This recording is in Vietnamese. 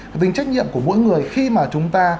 cái tính trách nhiệm của mỗi người khi mà chúng ta